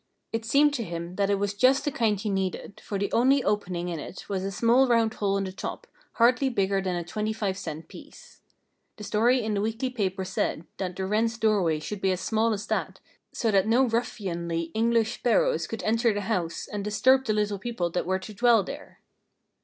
It seemed to him that it was just the kind he needed, for the only opening in it was a small round hole in the top, hardly bigger than a twenty five cent piece. (The story in the weekly paper said that the wrens' doorway should be as small as that, so that no ruffianly English sparrows could enter the house and disturb the little people that were to dwell there.)